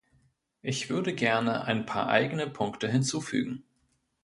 Ich würde gerne ein paar eigene Punkte hinzufügen.